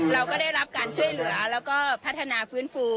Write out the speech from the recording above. เราก็ได้รับการช่วยเหลือแล้วก็พัฒนาฟื้นฟู